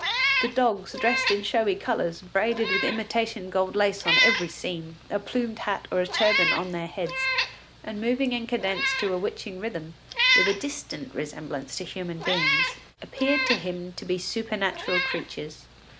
The dogs, dressed in showy colours, braided with imitation gold lace on every seam, a plumed hat or a turban on their heads, and moving in cadence to a witching rhythm, with a distant resemblance to human beings, appeared to him to be supernatural creatures.